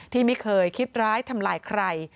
ที่ไม่เคยคิดร้ายทำลายใคร